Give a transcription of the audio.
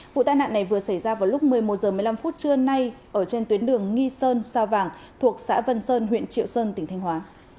vụ tai nạn này vừa xảy ra vào lúc một mươi một h một mươi năm phút trưa nay ở trên tuyến đường nghi sơn sao vàng thuộc xã vân sơn huyện triệu sơn tỉnh thanh hóa